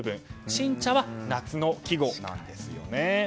新茶は夏の季語なんですよね。